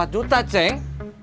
satu empat juta ceng